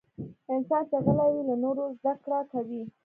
انسان چې غلی وي، له نورو زدکړه کوي.